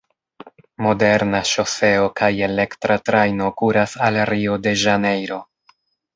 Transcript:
Moderna ŝoseo kaj elektra trajno kuras al Rio-de-Ĵanejro.